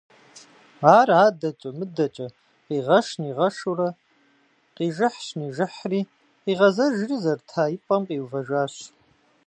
Ар адэкӀэ-мыдэкӀэ къигъэш-нигъэшурэ, къижыхьщ-нижыхьри къигъэзэжри зэрыта и пӀэм къиувэжащ.